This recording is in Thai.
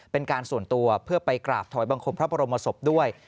เป็นการส่วนตัวเพื่อไปกราบถอยบังคมพระบรมศพด้วย